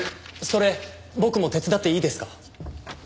それ僕も手伝っていいですか？